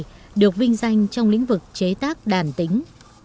điều này được vinh danh trong lĩnh vực chế tác đàn tính